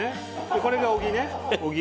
これが小木ね小木。